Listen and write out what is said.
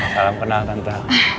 salam kenal tante